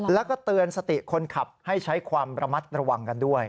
แล้วก็เตือนสติคนขับให้ใช้ความระมัดระวังกันด้วย